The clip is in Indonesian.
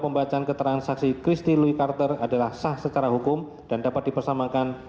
pembacaan keterangan saksi christie louis carter adalah sah secara hukum dan dapat dipersamakan